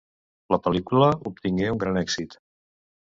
La pel·lícula obtingué un gran èxit.